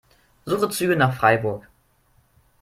Suche Züge nach Freiburg.